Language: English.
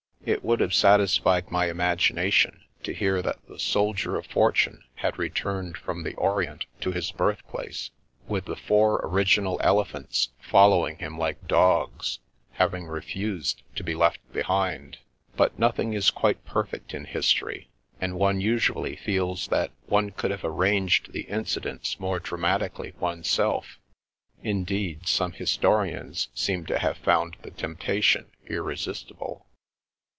It would have satis fied my imagination to hear that the soldier of for tune had returned from the Orient to his birthplace, with the four original elephants following him like dogs, having refused to be left behind. But noth ing is quite perfect in history, and one usually feels that one could have arranged the incidents more dramatically one's self; indeed, some historians seem to have found the temptation irresistible.